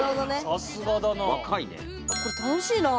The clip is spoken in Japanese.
さすがだな。